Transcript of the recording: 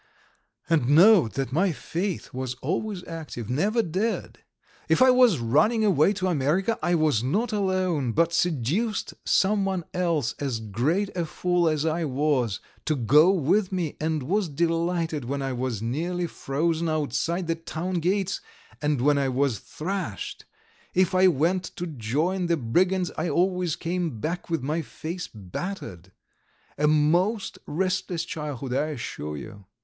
And note that my faith was always active, never dead. If I was running away to America I was not alone, but seduced someone else, as great a fool as I was, to go with me, and was delighted when I was nearly frozen outside the town gates and when I was thrashed; if I went to join the brigands I always came back with my face battered. A most restless childhood, I assure you!